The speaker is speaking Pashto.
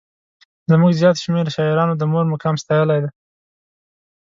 زموږ زیات شمېر شاعرانو د مور مقام ستایلی دی.